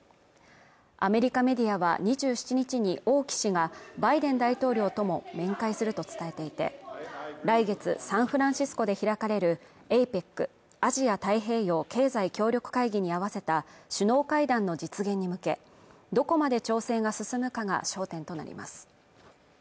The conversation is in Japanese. アメリカメディアは２７日に王毅氏がバイデン大統領とも面会すると伝えていて来月サンフランシスコで開かれるＡＰＥＣ＝アジア太平洋経済協力会議に合わせた首脳会談の実現に向けどこまで調整が進むかが焦点となります